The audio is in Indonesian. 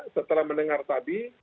setelah mendengar tadi